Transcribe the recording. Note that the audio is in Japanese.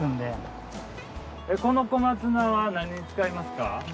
この小松菜は何に使いますか？